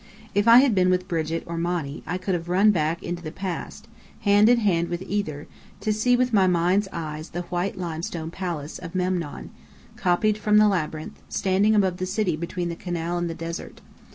If I had been with Brigit or Monny, I could have run back into the past, hand in hand with either, to see with my mind's eyes the white limestone palace of Memnon, copied from the Labyrinth, standing above the city between the canal and the desert.